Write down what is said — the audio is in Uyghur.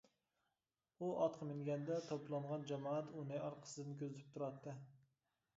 ئۇ ئاتقا مىنگەندە توپلانغان جامائەت ئۇنى ئارقىسىدىن كۆزىتىپ تۇراتتى.